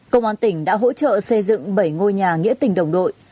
công an tỉnh đã hỗ trợ xây dựng bảy ngôi nhà nghĩa tình đồng đội